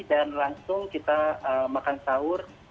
dan langsung kita makan sahur